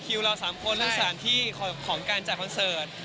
เรื่องคริวเราสามคนง่ายของการจัดคอนเซิร์ท